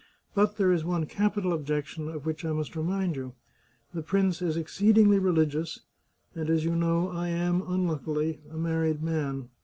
But there is one capital objection of which I must remind you. The prince is exceedingly religious, and, as you know, I am, unluckily, a married man.